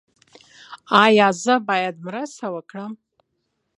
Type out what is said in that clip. ایا زه باید مرسته وکړم؟